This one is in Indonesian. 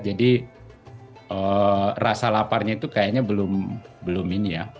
jadi rasa laparnya itu kayaknya belum ini ya